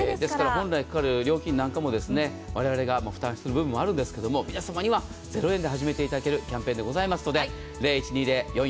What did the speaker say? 本来かかる料金なんかもわれわれが負担する分もあるんですが皆さまには０円で始めていただけるキャンペーンでございますので０１２０‐４４１‐２２２番